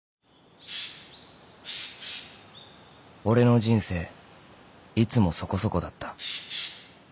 ［俺の人生いつもそこそこだった］